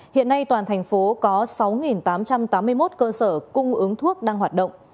hiện nay toàn thành phố có sáu tám trăm tám mươi một cơ sở cung ứng thuốc đang hoạt động